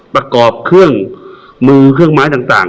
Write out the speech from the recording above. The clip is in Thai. ประกอบเครื่องมือเครื่องไม้ต่าง